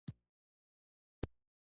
د خربوزې دانه د تیږې لپاره وکاروئ